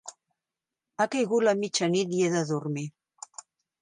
Ha caigut la mitjanit i he de dormir.